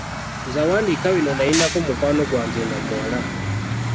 Nze awandiika bino nnalinako mukwano gwange nga muwala.